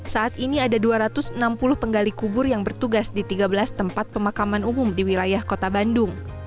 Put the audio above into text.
saat ini ada dua ratus enam puluh penggali kubur yang bertugas di tiga belas tempat pemakaman umum di wilayah kota bandung